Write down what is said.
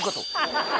ハハハ！